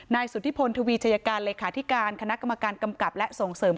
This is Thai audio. สุธิพลทวีชัยการเลขาธิการคณะกรรมการกำกับและส่งเสริม